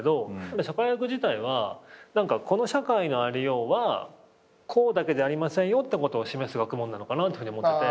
社会学自体はこの社会のありようはこうだけじゃありませんよってことを示す学問なのかなってふうに思ってて。